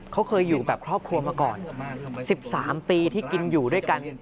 เขาเคยอยู่กับครอบครัวมาก่อน๑๓ปีที่กินอยู่ด้วยกัน